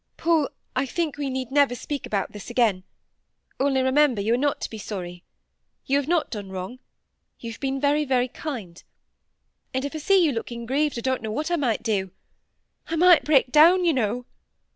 Paul, I think we need never speak about this again; only remember you are not to be sorry. You have not done wrong; you have been very, very kind; and if I see you looking grieved I don't know what I might do;—I might breakdown, you know."